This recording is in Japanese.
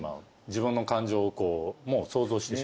自分の感情を想像してしまう。